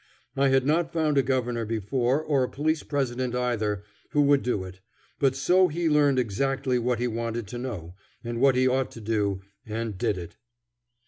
I had not found a Governor before, or a Police President either, who would do it; but so he learned exactly what he wanted to know, and what he ought to do, and did it.